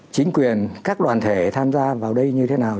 chính quyền các đoàn thể tham gia vào đây như thế nào